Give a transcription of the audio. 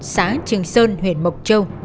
xã trường sơn huyện mộc châu